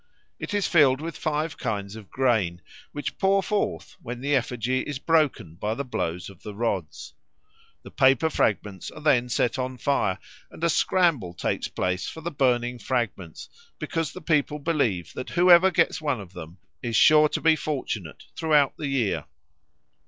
It is filled with five kinds of grain, which pour forth when the effigy is broken by the blows of the rods. The paper fragments are then set on fire, and a scramble takes place for the burning fragments, because the people believe that whoever gets one of them is sure to be fortunate throughout the year.